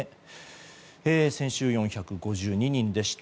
先週４５２人でした。